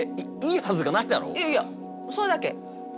いやいやそれだけ！